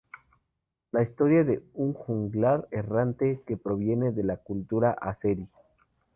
Es la historia de un juglar errante que proviene de la cultura azerí.